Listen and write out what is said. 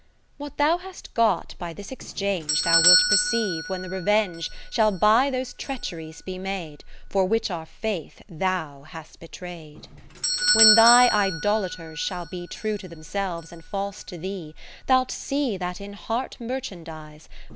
II What thou hast got by this exchange Thou wilt perceive, when the re venge Shall by those treacheries be made, For which our Faith thou hast betray'd. Ill When thy idolaters shall be True to themselves, and false to thee, 10 Thou'lt see thatin heart merchandise.